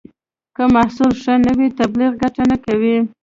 که محصول ښه نه وي، تبلیغ ګټه نه کوي.